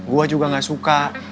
gue juga gak suka